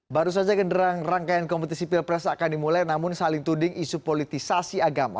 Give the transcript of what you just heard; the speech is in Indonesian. baru saja genderang rangkaian kompetisi pilpres akan dimulai namun saling tuding isu politisasi agama